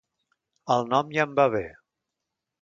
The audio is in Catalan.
El nom ja em va bé.